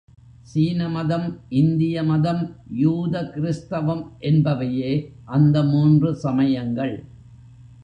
சீன மதம், இந்திய மதம், யூத கிறிஸ்தவம் என்பவையே அந்த மூன்று சமயங்கள்.